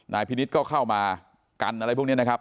พินิษฐ์ก็เข้ามากันอะไรพวกนี้นะครับ